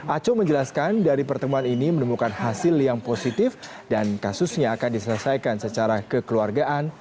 aco menjelaskan dari pertemuan ini menemukan hasil yang positif dan kasusnya akan diselesaikan secara kekeluargaan